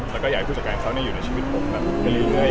อยากให้ผู้วัดการเขาอยู่ในชีวิตผม